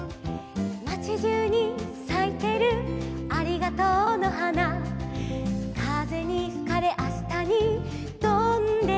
「まちじゅうにさいてるありがとうの花」「風にふかれあしたにとんでいく」